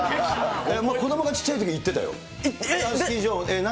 子どもが小っちゃいとき、行ってたよ。